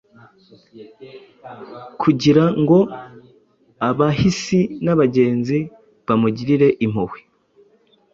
kugira ngo abahisi n’abagenzi bamugirire impuhwe